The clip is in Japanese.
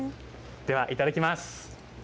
では、いただきます。